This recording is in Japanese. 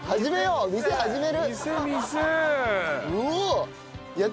うおっ！